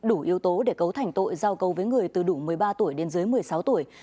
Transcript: đủ yếu tố để cấu thành tội giao cầu với người từ đủ một mươi ba tuổi đến dưới một mươi sáu tuổi